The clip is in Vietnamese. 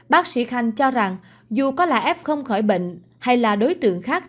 bác sĩ khanh cho rằng dù có là f không khỏi bệnh hay là đối tượng khác